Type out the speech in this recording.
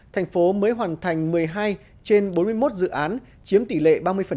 tp hcm mới hoàn thành một mươi hai trên bốn mươi một dự án chiếm tỷ lệ ba mươi